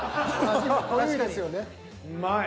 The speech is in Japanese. うまい。